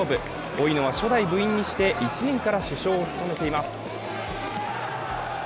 老野は初代部員にして１年から主将を務めています。